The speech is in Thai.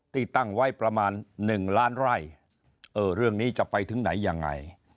ตั้งไว้ประมาณ๑ล้านไร่เออเรื่องนี้จะไปถึงไหนยังไง